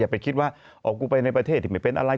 ไปคิดว่าออกกูไปในประเทศที่ไม่เป็นอะไร